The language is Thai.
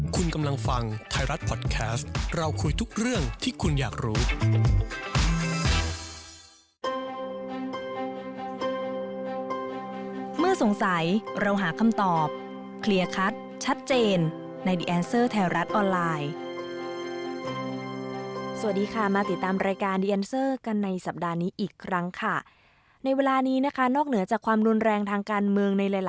คุณกำลังฟังไทยรัฐพอดแคสต์เราคุยทุกเรื่องที่คุณอยากรู้